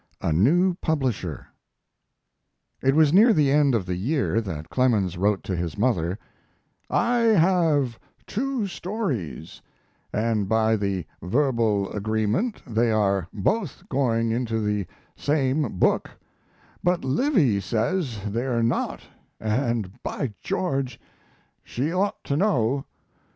A NEW PUBLISHER It was near the end of the year that Clemens wrote to his mother: I have two stories, and by the verbal agreement they are both going into the same book; but Livy says they're not, and by George! she ought to know.